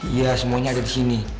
iya semuanya ada di sini